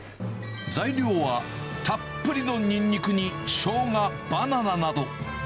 材料は、たっぷりのニンニクにショウガ、バナナなど。